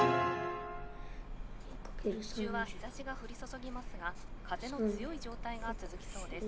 「日中は日ざしがふり注ぎますが風の強いじょうたいがつづきそうです。